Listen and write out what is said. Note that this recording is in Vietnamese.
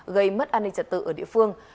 gây mất an ninh trật tự ở địa phương